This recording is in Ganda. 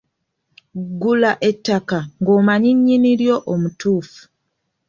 Gula ettaka ng’omanyi nnyini lyo omutuufu.